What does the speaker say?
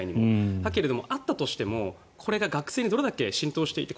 だけど、あったとしてもこれが学生にどれだけ浸透していたか